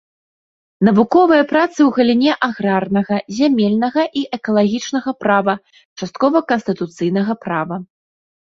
Навуковыя працы ў галіне аграрнага, зямельнага і экалагічнага права, часткова канстытуцыйнага права.